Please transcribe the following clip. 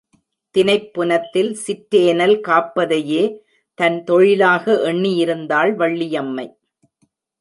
தினைப் புனத்தில் சிற்றேனல் காப்பதையே தன் தொழிலாக எண்ணியிருந்தாள் வள்ளியம்மை.